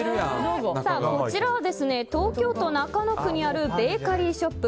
こちらは東京都中野区にあるベーカリーショップ